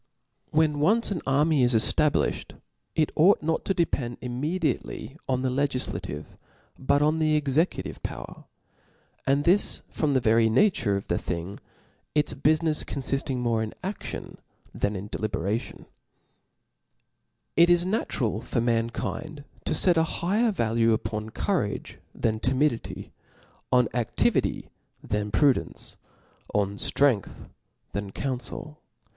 When 236 T H E S P I R I T B a 0 K When once an army is eftablifhed, it ought not cai»p/6, to depend imnaediately on the legiflative, but on the executive power ; and this from the very na* tore of the thing, its bufinefs confilUng mote in aAion than deliberation. It is natural for mankind to fet a higher vajue upon courage than timidity, on adivity than pru dence, on ftrcngth than counfel.